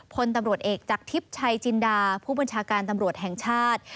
พลตำรวจเอกจากทิพย์ชัยจินดาผู้บัญชาการตำรวจแห่งชาติ